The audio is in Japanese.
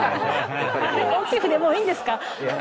大きい筆もういいんですか